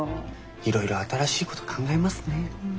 いろいろ新しいこと考えますね。